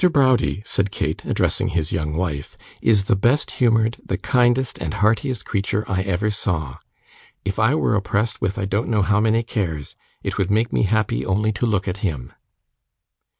Browdie,' said Kate, addressing his young wife, 'is the best humoured, the kindest and heartiest creature I ever saw. If I were oppressed with I don't know how many cares, it would make me happy only to look at him.